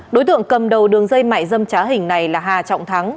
đối tượng cầm đầu đường dây mại dâm trá hình này là hà trọng thắng